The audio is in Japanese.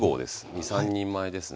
２３人前ですね。